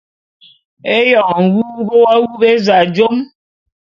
Éyoň nwuwup w’awup éza jom.